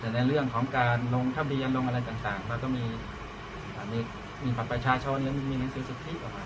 แต่ในเรื่องของการลงทะเบียนลงอะไรต่างเราก็มีภาพประชาชนและมีนังศิลป์สิทธิกว่า